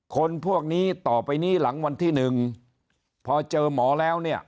คนพวกนี้ต่อไปนี้หลังวันที่หนึ่งพอเจอหมอแล้วเนี่ย